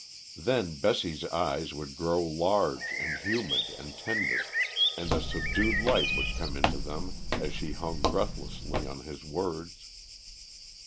Then Bessie's eyes would grow large and humid and tender, and a subdued light would come into them as she hung breathlessly on his words.